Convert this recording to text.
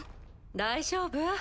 大丈夫？